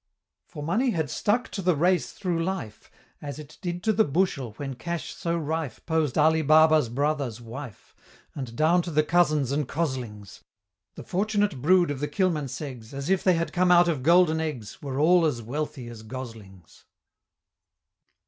For money had stuck to the race through life (As it did to the bushel when cash so rife Posed Ali Baba's brother's wife) And down to the Cousins and Coz lings, The fortunate brood of the Kilmanseggs, As if they had come out of golden eggs, Were all as wealthy as "Goslings."